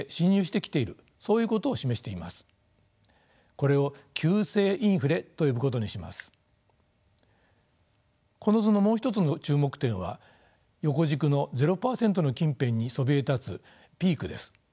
この図のもう一つの注目点は横軸のゼロ％の近辺にそびえ立つピークです。